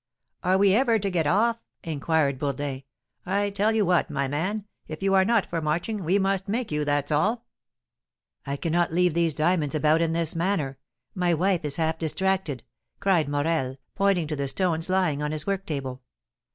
"Are we ever to get off?" inquired Bourdin. "I tell you what, my man, if you are not for marching, we must make you, that's all." "I cannot leave these diamonds about in this manner, my wife is half distracted," cried Morel, pointing to the stones lying on his work table.